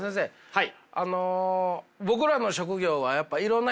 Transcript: はい。